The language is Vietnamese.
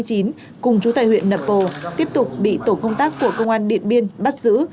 cùng chú tại huyện nậm bồ tiếp tục bị tổ công tác của công an điện biên bắt giữ